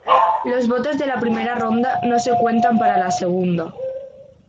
Los votos de la primera ronda no se cuentan para la segunda.